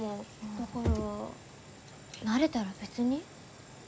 だから慣れたら別に。